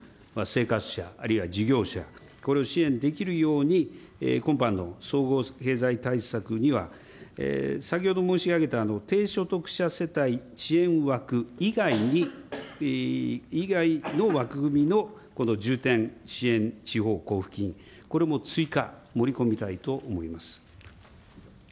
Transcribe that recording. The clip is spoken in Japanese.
今後も地方自治体がそれぞれの事情に応じてきめ細かく生活者あるいは事業者、これを支援できるように、今般の総合経済対策には、先ほど申し上げた低所得者世帯支援枠以外に、以外の枠組みのこの重点支援地方交付金、これも追加盛り込みたいと思います。